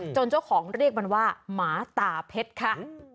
เจ้าของเรียกมันว่าหมาตาเพชรค่ะ